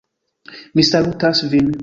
Mi salutas vin.